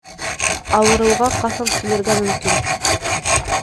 Ауырыуға ҡасан килергә мөмкин?